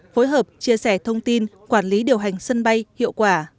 phối hợp chia sẻ thông tin quản lý điều hành sân bay hiệu quả